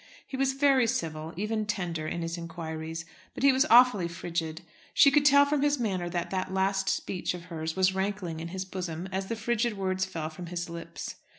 He was very civil, even tender, in his inquiries, but he was awfully frigid. She could tell from his manner that that last speech of hers was rankling in his bosom as the frigid words fell from his lips.